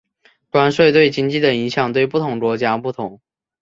关税对经济的影响对不同国家不同。